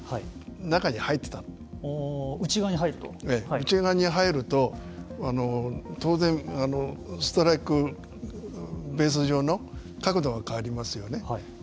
内側に入ると当然ストライクベース上の角度が変わりますよね。